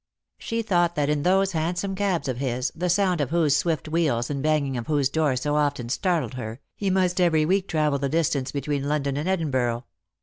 She thought that in those hansom cabs of his, the sound of whose swift wheels and banging of whose doors so often startled her, he must every week travel the distance between London and Edinburgh.